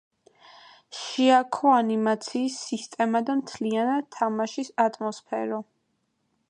შეაქო ანიმაციის სისტემა და მთლიანად თამაშის ატმოსფერო.